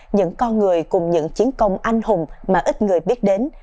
những con người cùng những chiến công anh hùng mà ít người biết đến